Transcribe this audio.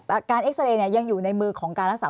แต่การเอ็กซาเรย์เนี่ยยังอยู่ในมือของการรักษา